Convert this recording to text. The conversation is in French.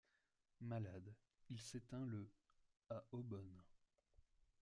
Malade, il s'éteint le à Eaubonne.